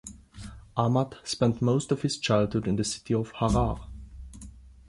Ahmad spent most of his childhood in the city of Harar.